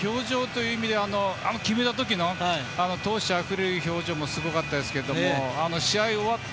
表情という意味では決めた時の闘志あふれる表情もよかったですが試合が終わった